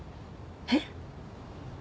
えっ？